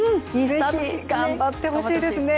頑張ってほしいですね。